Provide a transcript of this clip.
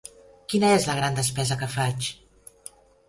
Quina és la gran despesa que faig?